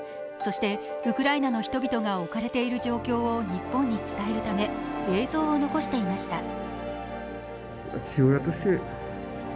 そして、ウクライナの人々が置かれている状況を日本に伝えるため映像を残していました。